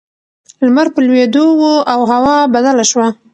لمر په لوېدو و او هوا بدله شوه.